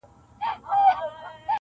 • چي په ښکار وو د مرغانو راوتلی -